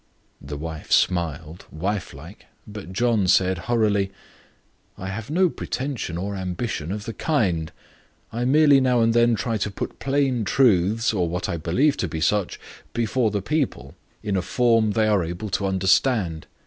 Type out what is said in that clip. The wife smiled, wife like; but John said, hurriedly: "I have no pretention or ambition of the kind. I merely now and then try to put plain truths, or what I believe to be such, before the people, in a form they are able to understand."